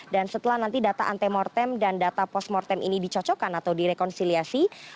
dan setelah nanti data antemortem dan data post mortem ini dicocokkan atau direkonsiliasi